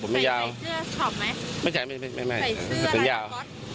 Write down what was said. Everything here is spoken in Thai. มันก็เจาะกันประมาณ๓คัน